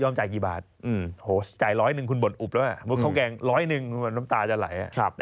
มาแบบจานสวยหน่อยนะ